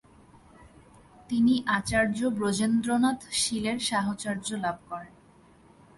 তিনি আচার্য ব্রজেন্দ্রনাথ শীলের সাহচর্য লাভ করেন।